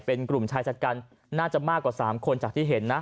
เป็นกลุ่มชายจัดการน่าจะมากกว่า๓คนจากที่เห็นนะ